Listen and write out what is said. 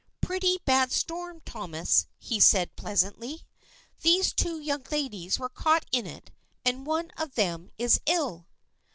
" Pretty bad storm, Thomas," he said pleasantly. " These two young ladies got caught in it and one of them is ill."